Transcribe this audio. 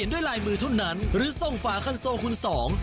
ด้วยลายมือเท่านั้นหรือส่งฝาคันโซคุณสอง